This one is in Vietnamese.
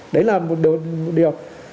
đấy là một điều